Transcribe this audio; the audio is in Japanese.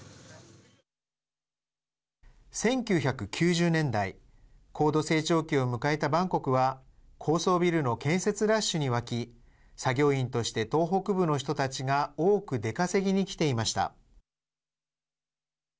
１９９０年代高度成長期を迎えたバンコクは高層ビルの建設ラッシュに沸き作業員として東北部の人たちが多く出稼ぎに来ていました。